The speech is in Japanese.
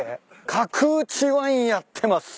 「角打ちワインやってます」